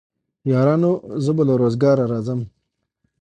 يارانو زه به له روزګاره راځم